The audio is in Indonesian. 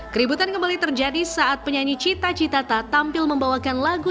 keributan kembali terjadi saat penyanyi cita citata tampil membawakan lagu